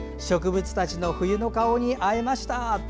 植物たちの冬の顔に会えました。